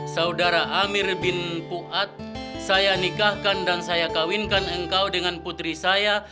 saudara amir bin puad saya nikahkan dan saya kawinkan engkau dengan putri saya